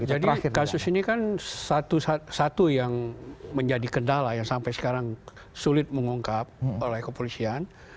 jadi kasus ini kan satu satu yang menjadi kendala yang sampai sekarang sulit mengungkap oleh kepolisian